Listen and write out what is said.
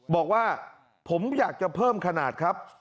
บอกว่าผมอยากจะเพิ่มขนาดครับ